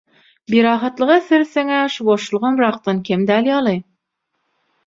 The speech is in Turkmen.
Birahatlyga seretseňä şu boşlugam rakdan kem däl ýaly.